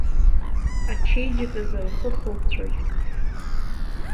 Ачеиџьыказы лхы хылҵәоит.